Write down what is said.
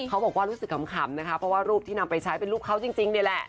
เขาบอกว่ารู้สึกขำนะคะเพราะว่ารูปที่นำไปใช้เป็นรูปเขาจริงนี่แหละ